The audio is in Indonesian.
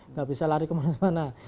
nggak bisa lari kemana mana